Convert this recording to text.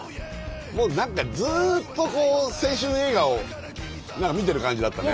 もう何かずっと青春映画を見てる感じだったね。